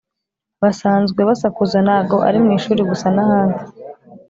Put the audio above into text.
Basanzwe basakuza nago ari mu ishuri gusa nahandi